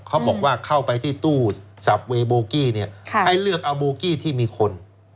เข้าไปที่ตู้สับเวย์โบกี้เนี่ยให้เลือกเอาโบกี้ที่มีคน